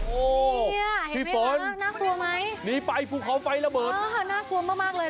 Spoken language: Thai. โอ้เห็นไหมคะน่ากลัวไหมนี่ไปภูเขาไฟระเบิดน่ากลัวมากเลย